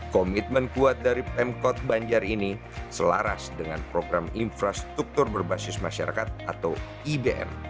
komitmen kuat dari pemkot banjar ini selaras dengan program infrastruktur berbasis masyarakat atau ibn